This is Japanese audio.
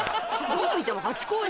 どう見てもハチ公じゃん。